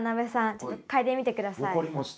ちょっと嗅いでみて下さい。